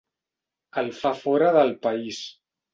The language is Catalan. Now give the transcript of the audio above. El fa fora del país.